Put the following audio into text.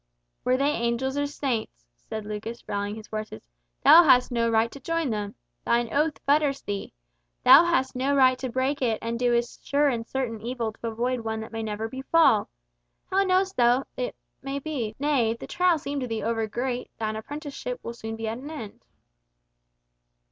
"Were they angels or saints," said Lucas, rallying his forces, "thou hast no right to join them. Thine oath fetters thee. Thou hast no right to break it and do a sure and certain evil to avoid one that may never befall! How knowst thou how it may be? Nay, if the trial seem to thee over great, thine apprenticeship will soon be at an end."